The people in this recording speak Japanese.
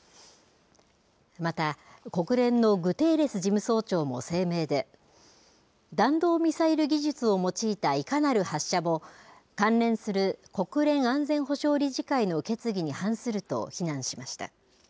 また、国連のグテーレス事務総長も声明で、弾道ミサイル技術を用いたいかなる発射も、関連する国連安全保障理事会の決議に反すると非難しました。